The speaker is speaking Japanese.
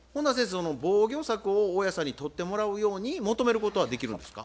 その防御策を大家さんにとってもらうように求めることはできるんですか？